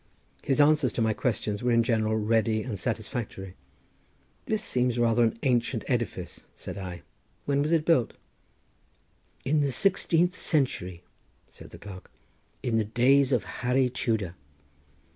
His answers to my questions were in general ready and satisfactory. "This seems rather an ancient edifice," said I; "when was it built?" "In the sixteenth century," said the clerk; "in the days of Harry Tudor."